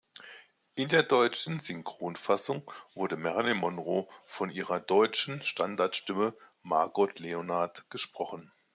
In der deutschen Synchronfassung wurde Marilyn Monroe von ihrer deutschen Standardstimme Margot Leonard gesprochen.